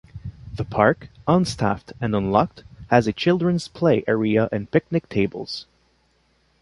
The park, unstaffed and unlocked, has a children's play area and picnic tables.